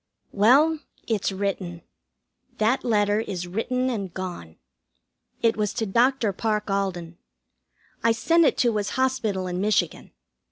Well, it's written. That letter is written and gone. It was to Dr. Parke Alden. I sent it to his hospital in Michigan.